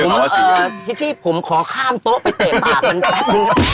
เออที่ผมขอข้ามโต๊ะไปเตะปากมันแป๊บดู